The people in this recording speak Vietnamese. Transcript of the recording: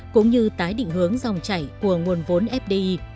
cũng như tái định hướng dòng chảy của nguồn vốn fdi